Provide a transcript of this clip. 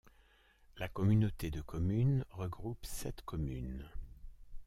La communauté de communes regroupe sept communes.